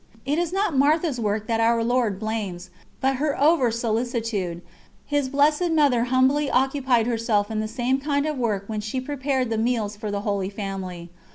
It is not Martha's work that Our Lord blames, but her over solicitude; His Blessed Mother humbly occupied herself in the same kind of work when she prepared the meals for the Holy Family.